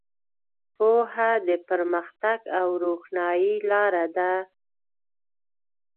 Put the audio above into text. پوهه د پرمختګ او روښنایۍ لاره ده.